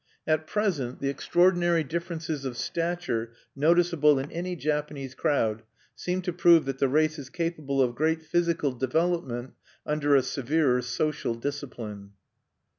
At present the extraordinary differences of stature noticeable in any Japanese crowd seem to prove that the race is capable of great physical development under a severer social discipline.